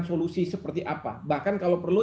solusi seperti apa bahkan kalau perlu